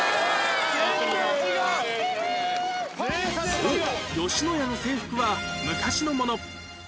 そう野家の制服は昔のもの